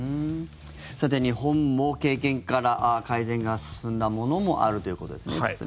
さて、日本も経験から改善が進んだものもそうですね。